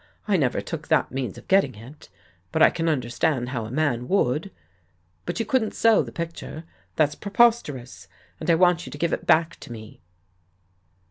I never took that means of getting it, but I can understand how a man would. But you couldn't sell the picture. That's preposterous! And I want you to give it back to me.